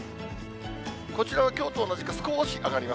こちらはきょうと同じか少し上がります。